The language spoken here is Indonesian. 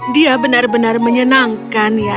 dia benar benar menyenangkan ya